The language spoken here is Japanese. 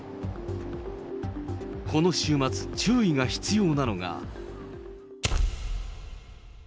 この週末、注意が必要なのが。